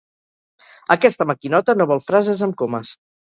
Aquesta maquinota no vol frases amb comes.